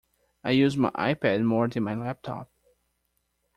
I use my iPad more than my laptop